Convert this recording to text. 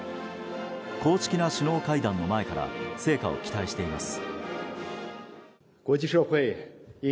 公式な首脳会談の前から成果を期待しています。